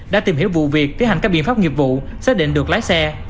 đã tìm hiểu vụ việc tiến hành các biện pháp nghiệp vụ xác định được lái xe